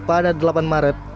pada delapan maret